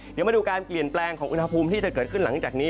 เดี๋ยวมาดูการเปลี่ยนแปลงของอุณหภูมิที่จะเกิดขึ้นหลังจากนี้